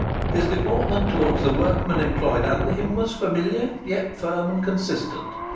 His deportment towards the workmen employed under him was familiar, yet firm and consistent.